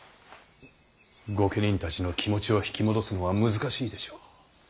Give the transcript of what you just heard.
御家人たちの気持ちを引き戻すのは難しいでしょう。